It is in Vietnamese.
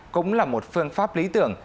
cũng là một phương pháp lý tưởng